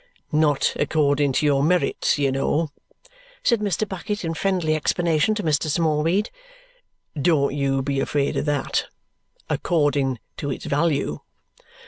"Not according to your merits, you know," said Mr. Bucket in friendly explanation to Mr. Smallweed. "Don't you be afraid of that. According to its value."